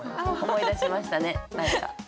思い出しましたね何か。